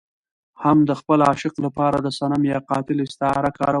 هم د خپل عاشق لپاره د صنم يا قاتل استعاره کاروي.